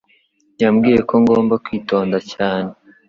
Yambwiye ko ngomba kwitonda cyane.